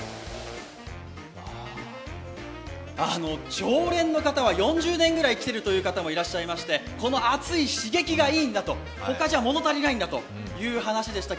常連の方は４０年くらい来てる方もいらっしゃってこの熱い刺激がいいんだと、他じゃ物足りないんだという話でした。